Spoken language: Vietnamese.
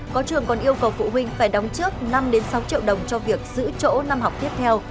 có trường còn yêu cầu phụ huynh phải đóng trước năm sáu triệu đồng cho việc giữ chỗ năm học tiếp theo